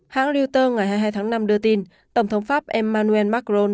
hãng reuter ngày hai mươi hai tháng năm đưa tin tổng thống pháp emmanuel macron